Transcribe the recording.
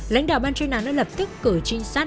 lãnh đạo ban chơi nàn đã lập tức cử trinh sát